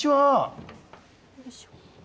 よいしょ。